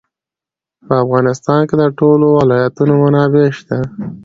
په افغانستان کې د ټولو ولایتونو منابع شته.